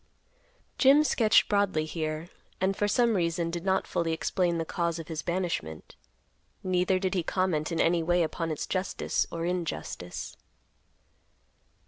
Jim sketched broadly here, and for some reason did not fully explain the cause of his banishment; neither did he comment in any way upon its justice or injustice.